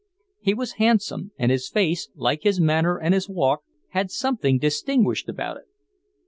He was handsome, and his face, like his manner and his walk, had something distinguished about it.